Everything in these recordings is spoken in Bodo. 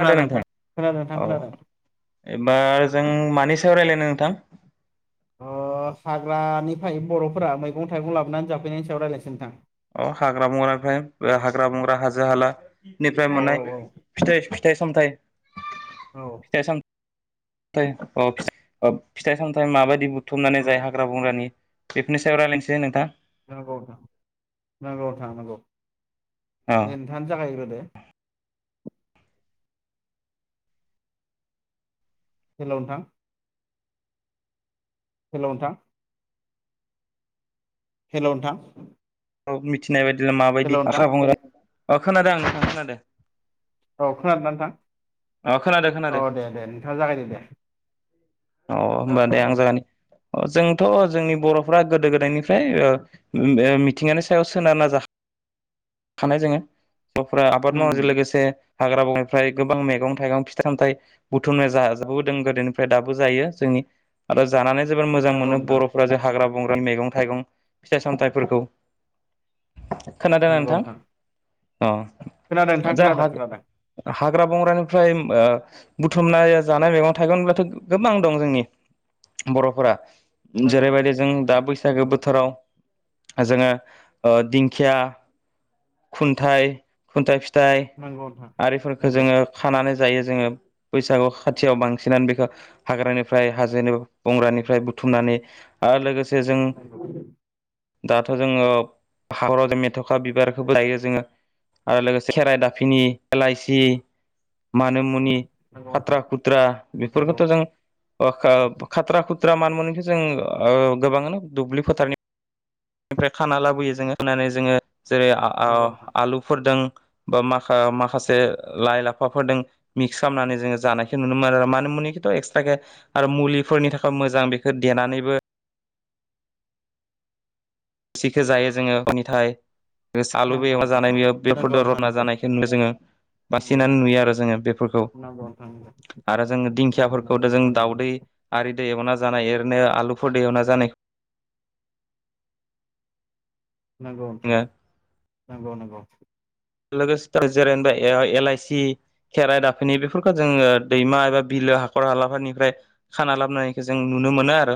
खोनादों नोंथां खोनादों नोंथां औ खोनादों एबार जों मानि सायाव रायलायनो नोंथां अ हाग्रानिफ्राय बर'फोरा मैगं थाइगं लाबोनानै जाफैनायनि सायाव रायजलायसै नोंथां अ हाग्रा बंग्रानिफ्राय हाग्रा बंग्रा हाजो हाला निफ्राय औ मोननाय फिथाइ सामथाय औ थाइ अ फिथाय सामथायाइ माबायदि बुथुमनानै जायो औ हाग्रा बंग्रानि बेफोरनि सायाव रायलायनोसै नोंथां नांगौ नोंथां नांगौ नोंथां नांगौ औ दे दान जागायग्रोदो हेलौ नोंथां हेलौ नोंथां हेलौ नोंथां औ मिथि नाय बायदिनो हेल' माबायदि नोंथां हाग्रा बंग्रा अ खोनादो आं नोंथाङा खोनादो औ खोनादोंना खोनादों नोंथां औ खोनादों दे दे नोंथाङा जागाय दो दे अ औ होमबा दे औ आं जागायनि अ जोंथ' जोंनि बर'फ्रा गोदो-गोदायनिफ्राय ओ मिथिंगानि सायाव सोनारना जा-जाखानाय जोंङो आबाद उम मावनायजों लोगोसे हाग्रा बंग्रानिफ्राय गोबां मैगं थाइगं फिथाइ सामथाय बुथुमनाय जा-जाबोबोदों गोदोनिफ्राय दा बो जायो जोंनि आरो जानानै जोबोर मोजां नंगौ मोनो नोंथां बर'फोरा जे हाग्रा बंग्रान मैगं थाइगं फिथाइ सामथाइफोरखौ खोनादोंना नोंथां? अ खोनादों नोंथां जा खोनादों खोनादों। हाग्रा बंग्रानिफ्राय ओ बुथुमनाय जानाय मैगं थाइगं होनब्लाथ' गोबां दं जोंनि बर'फोरा नंगौ नोंथां जेरैबायदि जों दा बैसागो नंगौ बोथोराव जोङो ओ दिंखिया खुन्थाइ खुन्थाइ फि थाइ नंगौ नोंथां आरिफोरखौ नंगौ जोङो खानानै जायो जोङो बैसागु खाथियाव बांसिनानो बेखौ हाग्रानिफ्राय हाजोनि बंग्रानिफ्राय बुथुमनानै आरो लोगोस [inaudible] दाथ' जोङो हाखराव जों मेथ'खा बिबारखौबो लायो जोङो आरो लोगोसे खेरा दाफिनि एलाइसि मानि मुनि नंगौ नोंथां खाथ्रा खुथ्रा नंगौ बेफोरखौथ' जों नंगौ [unintelligible] खाथ्रा खु थ्रा मान मुनिखौ जों ओ गोबाङानो दुब्लि फोथारनिफ्राय खाना लाबोयो जोङो खानानै जोङो जेरै- नंगौ नोंथां आ-आ-आलुफोरदों बा माखा माखासे लाइ लाफाफोरजों मिक्स खालामनानै जोङो जानायखौ नुनो मानो मान मुनिखौथ' एक्स थाके आरो मुलिफोरनि थाखाय मोजां बेखौ देनानैबो रोसिखौ जायो जोङो [unintelligible] सालुबो नंगौ एवना नोंथां जानाय नुयो नंगौ बेफोरजों नोंथां रथना नंगौ जानायखौ नुनो जोङो बासिनानै नुयो आरो जोङो बेफोरखौ नंगौ आरो जों नंगौ दिंखियाफोरखौ जों नोंथां नंगौ दाउदै आरि दै एवना जानो हायो आरो नो आलुफोरदो एवना जानाय नंगौ नोंथां नंगौ नंगौ लोगोसे जेरैबा ए-एलाइसि खेराइ दाफिनि बेफोरखौ जोङो दैमा एबा बिलो हाखर हालाफोरनिफ्राय खाना लाबोनायखौ जों नुनो मोनो आरो।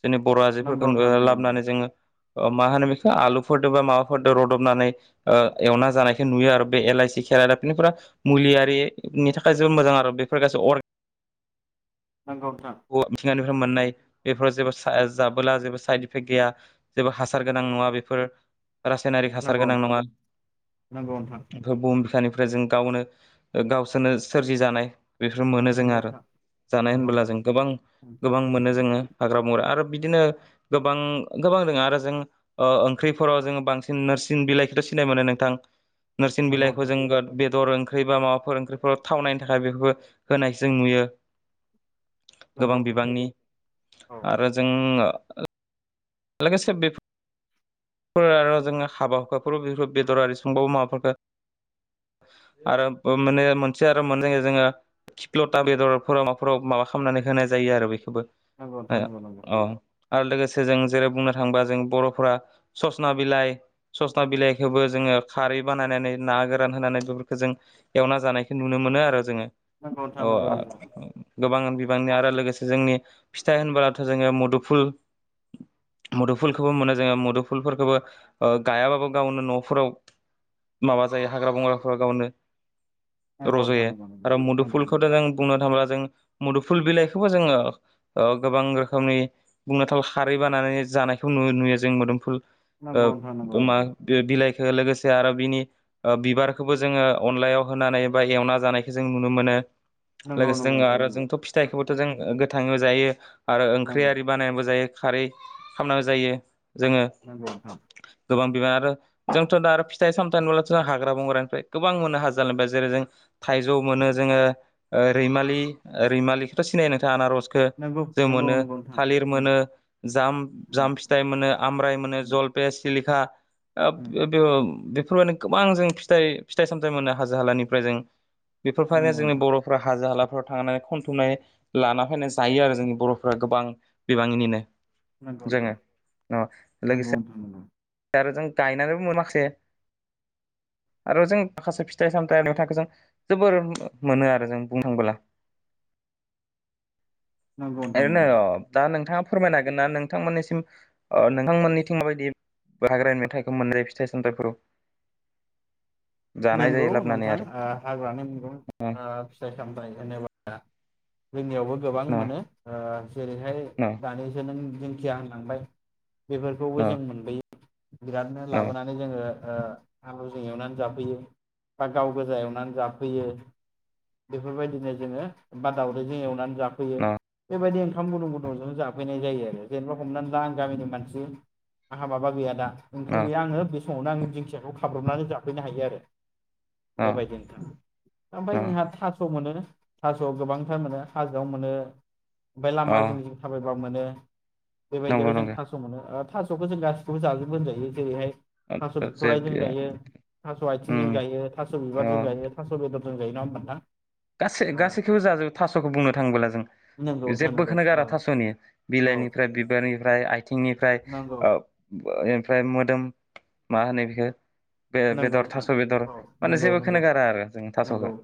जोंनि बर' आयजोफोरखौ ओ नोंथां नंगौ नंगौ लाबोनानै जोङो ओ मा होनो बेखौ आलुफोरदो बा माबाफोरदो रुदबनानै ओ एवना जानाय खौ नुयो आरो बे एलाइसि, खेरा दाफिनिफोरा मुलियारिनि थाखाय जोबोद मोजां आरो बेफोर गासै अर नंगौ नोंथां मिथिंगानिफ्राय मोननाय बेफोराव जेबो सा जाबोला जेबो साइद इफेक्ट गैया, जेबो हासार गोनां नङा बेफोर रासायनारि हासार नंगौ गोनां नङा, नंगौ बुहुम बिखानि फ्राय जों गावनो गावसोरनो सोरजिजानाय बेफोर मोनो जों आरो जानाय नंगौ नोंथां नंगौ होनबोला जों [unintelligible] गोबां मोनो जोङो हाग्रा बंग्रा आरो बिदिनो गोबां गोबां दं आरो जों ओ ओंख्रिफोराव जोङो बांसिन नोरसिं बिलाइखौथ' सिनाय मोनो नोंथां नोरसिं बिलाइखौ नोंथां जों बेदर ओं ओंख्रि बा माबाफोर ओंखिफोराव थावनायनि थाखाय बेफोरखौ होनाय जों नुयो, नंगौ नोंथां नंगौ गोबां नोंथां नंगौ नोंथां नंगौ नोंथां नंगौ बिबांनि नोंथां औ आरो जों [inaudible] लोगोसे बेफोर आरो जोङो हाबा हुखाफोराव बेफोरखौ बेदर आरि संबावो माबाफोरखौ आरो माने मोनसे आरो मोननाय जायो जोङो थिफ्ल'था बेदरफोराव माबाफोराव माबा खालामनानै होनाय जायो आरो बेखौबो। नंगौ नोंथां नंगौ नंगौ औ आरो लोगोसे जों जेरै बुंनो थाङोबा जों बर'फोरा सजना बिलाइ, सजना बिलाइखौबो जोङो खारै बानायनानै ना गोरान होनानै बेफोरखौ जों एवना जानायखौ नुनो मोनो आरो जोङो नंगौ औ [inaudible] गोबां बिबांनि आरो लोगोसे जोंनि फिथाइ होनबोलाथ' जोङो मुदुफुल मुदुफुलखौबो मोनो जोङो, मुदुफुलफोरखौबो ओ गायाबाबो गावनो न'फोराव माबा जायो हाग्रा बंग्राफोर गावनो नंगौ नोंथां रज'यो नंगौ नंगौ आरो मुदुफुलखौथ' जों बुंनो थाङोब्ला जों मुुदुफुल बिलाइखौबो जोङो ओ गोबां रोखोमनि बुंनो थांब्ला खारै बानाय नानै जानायखौ नुयो जों मोदोमफुल नंगौ नोंथां नंगौ ओ मा नंगौ [inaudible] लोगोसे आरो बिनि बिबारखौबो जोङो अनलायाव होनानै बा एवना जानायखौ जों नुनो मोनो। नंगौ लोगोसे नंगौ जों आरो जोंथ' फिथाइखौबो जों गोथाङै जायो आरो ओंख्रि आरि बानायनाबो जायो खारै खालामनांगौ जायो जोङो नंगौ नोंथां गोबां [inaudible] आरो जोंथ' दा आरो फिथाइ सामथाय होनोब्लाथ' जों हाग्रा बंग्रानिफ्राय गोबां मोनो हाजो हालानिफ्राय जेरै जों थाइजौ मोनो जोङो रैमा रैमालिखौथ' सिनाय नोंथां आनारस खौ नंगौ जों नंगौ नंगौ नोंथां नंगौ मोनो, नंगौ नोंथां नंगौ थालिर मोनो, जाम जाम फिथाइ मोनो, आमलाइ मोनो, जलपे, सिलिखा [unintelligible] बेबनो गोबां जों फिथ फिथाइ सामथाइ मोनो हाजो हालानिफ्राय जों नंगौ बेफोरबायनो नोंथां नंगौ जोंनि नोंथां बर'फोरा हाजो हाला [unintelligible] थांनानै खनथुमनाय लाना फैनाय जायो आरो जोंनि बर'फ्रा गोबां बिबांनिनिनो। नोंगौथां लोगोसे नांगौथां नंगौ। आरो जों गायनानैबो मोनाखासे आरो जों माखासे फिथाइ सामथथ जों जोबोर मोनो आरो जों बुं थांला। नंगौ नोंथां ओरैनो नंगौ दा नोंथाङा फोरमायनो हागोन ना नोंथांमोननिसिम नोंथांमोननिथिं माबायदि हाग्रा मेथाइखौ मोनजायो फिथाइ सामथाइफोराव नंगौ नोंथां हाग्रानि मुगं न फिथाइ सामथायाइ होनोबा जोंनियावबो गोबां न मोनो जेरैहाय न दानिसो नों जेनोखि आं लांबाय बेफोरखौबो न जों मोनबोयो बिरादनो न लाबोनानै जोङो आलुजों एवनानै जाब बा गाव गोजा एनानै जाफै बेफोरबायदिनो जोो बा दाावैजों एनानै जाफैयो बेबायदि ओंखाम गुदुं गुदुंजों जाफैनाय जायो आरो जेनेबा हमनानै ला आं गामिनि मानसि आंहा माबा गैया दा ओमफ्राय न बे आङो समावनो आं दिंखियाखौ हाब्रबनानै जाफ्लैनो हायो आरो द न बेबायदिनोथां ओमफ्राय न जोंहा थास' मोनोो थास'आव गोबांथार मोनो हाजोआव मोनो ओमफ्राय अ लामाजों थाबाय गोबां मोनो बेबायदियाव नंगौ जों नंगौ थास' मोनो आरो थास'बो जों गासिखौबो जाजोबबोजायो जेरैहाय थास' बिथ'रायदिोन जे गायो थ बायथिंजों उम जायो थास' अ बिबारजों जायो थास' गो जों जायो ना ह होना गासै गासैखौबो जाजोबो थास'खौ बुंनो थाङबोला जों जेबोखौनो नोंथां ओ गारा थास'नि नंगौ नोंथां नंगौ औ बिलाइनिफ्राय बिबारनिफ्राय आथिंनिफ्राय नंगौ ओमफ्राय मोदोम मा होनो बेखौ बे नंगौ बेदर नोंथां थास' बेदर औ माने नंगौ नंगौ जेबोखौोन गारा आरो जों नंगौ थास'खौ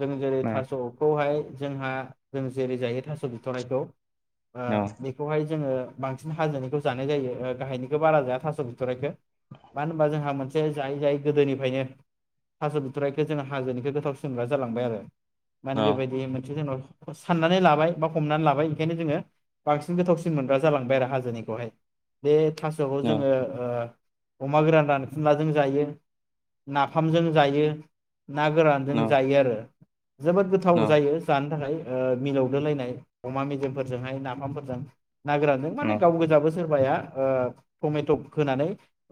जों जेरै न थास'खौहाय जोंहा जों जेरै जै स दिथ'नायखौ न बेखौहाय जोङो बांसिन हाजोननिखौ जानाय जायो गाहायनिखौ बारा जाया थास' बिथराइखौो मानो होनबा जोंहा मोनसे जायै जायै गोदोनिफ्रायनो थास' बिथुथ्राइखौ जोङो हाजोनिखौ गोथाव सोमग्रा जालांबाय आरो माने न बेबायदि मोनसे जोंन' साननानै लाबाय बा हमनानै लाबाय ओंखायनो जोङो बांसिन गोथावसिन मोनग्रा जालांबाय आरो हाजोनिखौहाय बे थास'खौ न जोङो अमा ग्रान ों जायो नाफामजों जायो ना गोरानजों न जायो आरो जोबोद गोथाव न जायो जानो थाखाय ओ मिलौदोलायनाय अमा मेजेमफोरजोंहाय नाफामफोरजों नागोरानजों माने न गाव गोजाबो सोरबाया ओ टमेथ होनानै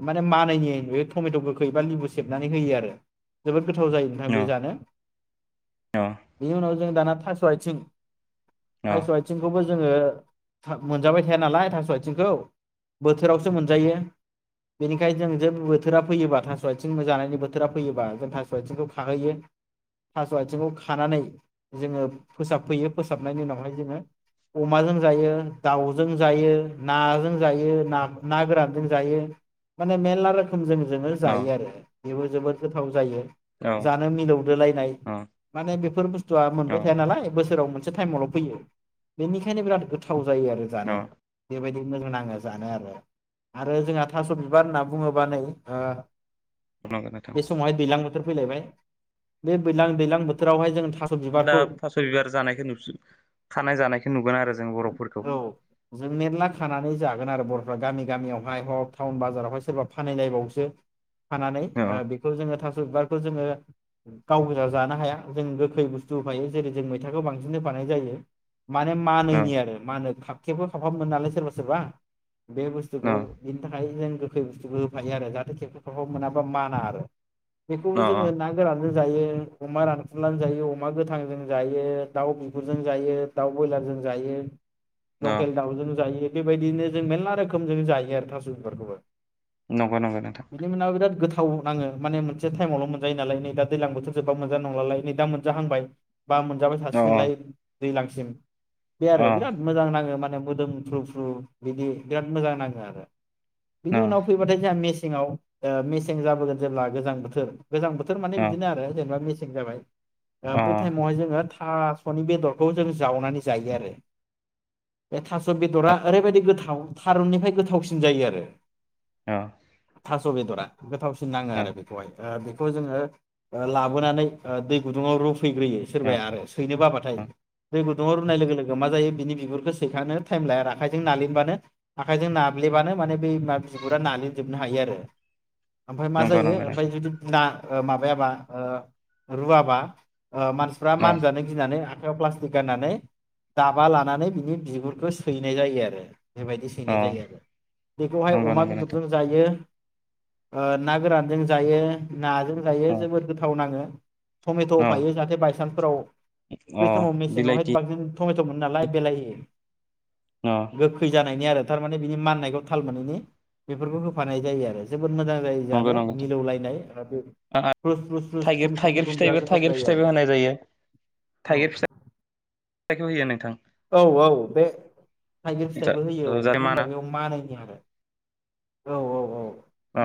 माने मानैहोयो [unintelligible] टमेट' गोखै एबा लिबु सेबनानै होयो आरो जोबोद गोथाव जायो नोंथां न बे जानो बेनि उनाव जों दाना थास' आइथिं न थास' आइथिंखौबो जो ओङो मोनजाबाय थाया नालाय थास' आइथिंखौ बोथोरावसो मोनजायो बेनिखायनो जों जे बो थोरा फैयोबा थास' आइथिं जानायनि बोथोरा फैयोबा जों थास' आथिंखौ खाहैयो थास' आथिंखौ खानानै जोङो फोसाबफैयो फोसाबनायनि उनावहाय जोङो अमाजों जायो दाउजों जायो नाजों जायो ना- ना गोरानजों जायो माने मेरला रोखो मजों जोङो जायो आरो। बेबो जोबोद गोथाव जायो। न जानो मिलौदोलायनाय न माने बेफोर बुस्थुआ मोनबाय थाया न नालाय बोसोराव मोनसे टाइमावल' फैयो बेनिखायनो बिराद गोथाव जायो आरो जानो बेबायदि मोजां नाङो जानो आरो आरो जोंहा थ' बिबार होनना बुङोब बा नै ओ नंगौ नोंथां बे समाव दैलां बोथोर फैलायबाय बे बैलां दैलां बोथोरावहाय जों थास दा बिबारखौ फास' बिबार जानायखौ नुफिन खानाय जानायखौ नुगोन आरो जों बर'फोरखौ गोन आरो बर'फ्रा गामि गामियावहाय हक टाउन बाजारावहाय सोरबा फानायलायबावसो फानानै अ बेखौ जोङो थास' बार बेखौ जोङो गाव गोजा जानो हाया जों गोखै बुस्थु होफायो जेरै जों मैथाखौ बांसिन बानाय जायो। माने अ मानैनि आरो मा होनो खाब खेबो खाब-खाबमोन नालाय सोरबा-सोरबा बे बुस्थुखौ अ बिनि थाखाय जों गो खै बुस होफायो आरो जाहाथे खेब-खेब खाब-खाब मोना बा माना आरो। बेखौबो अ जोङो ना गोरानजों जायो अमा रान फुलाजोंजायो अमा गोथांजों जायो दाउ बिगुरजों जायो दाउ ब्रयलारजों जायो अ लकेल दाउजों जायो बे बेबायदिनो जों मेरला रोखोम जों जायो आरो थास' बिबारखौबो। नंगौ नंगौ नोंथां। थाव नाङो माने मोनसे टाइमावल' मोनजायो नालाय नै दा दैजां बोथोर जोबबा मोनजा नंलालाय नै दा मोनजाहांबाय बा मोनजाबाय अ थासिगोनलाय दैज्लांसिम बे आरो अ बिराद मोजां नाङो माने ब्ला मोदोमफ्रु फ्रु बिदि बिराद मोजां नाङो आरो बिनि उनाव मेसेङाव ओ मेसें जाबोगोन जेब्ला गोजां बोथोर गोजां बोथोर माने अ बिदिनो आरो जेनेबा मे सें जाबाय दा अ बै टाइमावहाय जोङो थास'नि बेदरखौ जों जावनानै जायो आरो बे थास' बेदरा ओरैबायदि गोथाव थारुननिफ्राय गोथावसिन जायो आरो। औ थास' बेदरा गोथावसिन नाङो आरो बेखौहाय ओ खौ जोङो ओ लाबोनानै ओ दै गुदुङाव रुफैयो सोरबाया आरो सैनो बाबाथाय दै गुदुङाव रुनाय लोगो लोगो माजायो बिनि बिगुरखौ सैखां टाइम लाया आखाइजों नालिबानो आखाइजों नाब्लेबानो माने बै बि गुरा नालेमजोबनो हायो आरो। ओमफ्राय मा नंगौ जायो नंगौ ओमफ्राय नोंथां जुदि ना ओ माबायाबा ओ रुवाबा ओ मानसिफ्रा अ मानजानो गिनानै आ खाइयाव प्लास्टिक गाननानै दाबा लानानै बिनि बिगुरखौ सैनाय जायो आरो बेबायदि सैनाय अ जायो आरो बेखौहाय नंगौ अमा नंगौ नोंथां बेदरजों जायो। ओ ना गोरानजों जायो नाजों जायो अ जोबोद गोथाव नाङो। टमेट' अ होफायो जाहाथे बायसान्सफोराव अ बै समाव मेसेङावहाय बिलाइथि बांसिन टमेट'मोन नालाय बेलाहि अ गोखै जानायनि आरो थारमाने बिनि माननायखौ थाल मोनैनि बेफोरखौ होफानाय जायो आरो जों। [unintelligible] मोजां जायो नंगौ जानो नंगौ मिलौलायनाय [unintelligible] बिराद थाइगिर थाइगिर फिथाइबो गोथाव थाइगिर जायो आरो फिथाइबो होनाय जायो औ थाइगिर फिथाइखौ होयो नोंथां औ औ बे थाइगिर फिथाइबो होयो औ जाय मानो होनबा माना बेयाव मानैनि आरो औ औ औ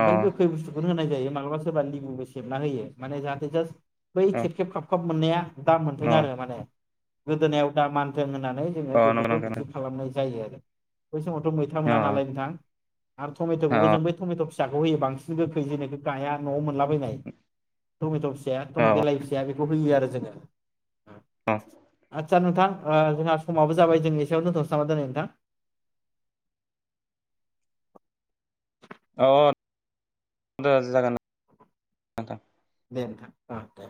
अ गोखै बुस्थुखौ होनाय जायो म मालाबा सोरबा लेबुबो सेबना होयो माने जाहाथे जास बै अ खेब खेब खाबखाब मोननाया दाम मोनथों अ आरो माने। गोदोनायाव दा मानथों होननान नै जोङो अ नंगौ बेफोरखौ नंगौ बिदि खालामनाय जायो आरो। बै समावथ' मैथा अ मोना नालाय नोंथां। आरो अ टमेट'खौबो जों ब टमेट'सो फिसाखौ होयो बांसिन गोखै जेख गाया न'आव मोनलाबायनाय टमेट'स अ एदम बेलाइ फिसा बेखौ होयो आरो। जोङो। अ। आदसा नोंथां जोंहा समाबो जाबाय जोंनि सायाव दोन्थ'सै नामा दिनै नोंथां? अद जागोन नोंथां। दे नोंथां ओ दे।